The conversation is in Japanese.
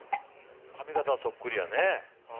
髪形はそっくりやね。